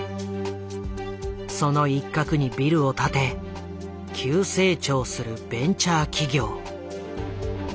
その一角にビルを建て急成長するベンチャー企業。